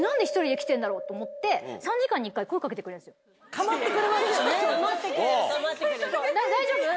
構ってくれますよね。